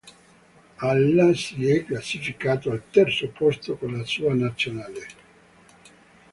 Alla si è classificato al terzo posto con la sua Nazionale.